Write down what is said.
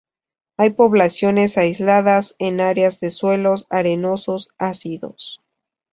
Hay poblaciones aisladas en áreas de suelos arenosos ácidos.